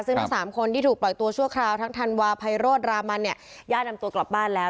ซึ่งทั้งหมด๓คนที่ถูกปล่อยตัวชั่วคราวทั้งทันวาไพโรสระมัญเนี่ยย่านอำตุกลับบ้านแล้ว